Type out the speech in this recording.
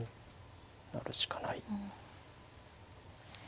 成るしかない。